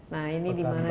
nah ini di mana